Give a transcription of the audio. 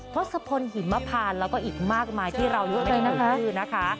ทศพลหิมพานแล้วก็อีกมากมายที่เรายุ่งในนักรุ่นะคะ